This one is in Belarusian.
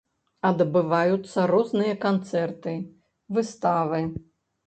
Адбываюцца розныя канцэрты, выставы.